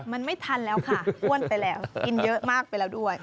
มันไม่ทันแล้วค่ะอ้วนไปแล้วกินเยอะมากไปแล้วด้วย